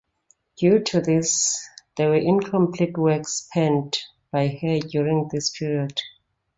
Due to this, there were incomplete works penned by her during this period.